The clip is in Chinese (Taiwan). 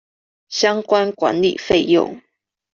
相關管理費用